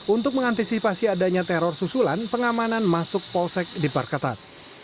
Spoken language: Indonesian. untuk mengantisipasi adanya teror susulan pengamanan masuk polsek diperketat